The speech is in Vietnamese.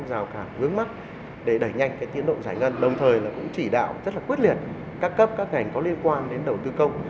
rào cản vướng mắt để đẩy nhanh tiến độ giải ngân đồng thời cũng chỉ đạo rất là quyết liệt các cấp các ngành có liên quan đến đầu tư công